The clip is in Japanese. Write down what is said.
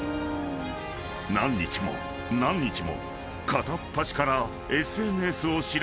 ［何日も何日も片っ端からＳＮＳを調べていった］